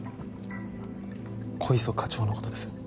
小磯課長のことです。